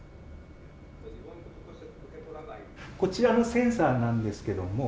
こちらのセンサーなんですけども。